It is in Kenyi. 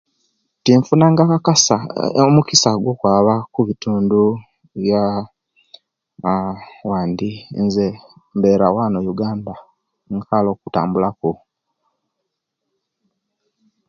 Tinfunangaku akasa aa omukisa gwo kwaba kubitundu byaa aa awandi nze embeera wanu Uganda nkaali okutambulaku.